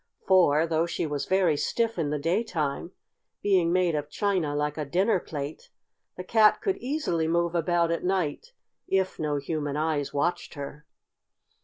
For, though she was very stiff in the daytime, being made of china like a dinner plate, the Cat could easily move about at night if no human eyes watched her.